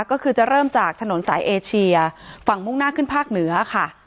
ก็คือจะเริ่มจากถนนสายเอเชียฝั่งมุ่งหน้าขึ้นภาคเหนือค่ะ